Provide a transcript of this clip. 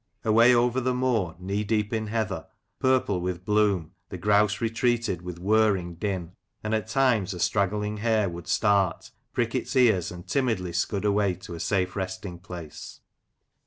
Away over the moor, knee deep in heather, purple with bloom, the grouse retreated with whirring din ; and at times a straggling hare would start, prick its ears, and timidly scud away to a safe resting place.